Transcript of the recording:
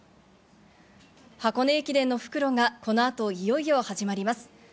箱根駅伝の復路がこの後、いよいよ始まります。